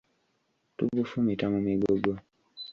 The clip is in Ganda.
Tubufumita mu migogo.